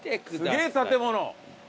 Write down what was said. すげぇ建物。